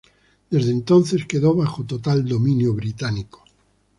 Desde entonces, quedó bajo total dominio británico.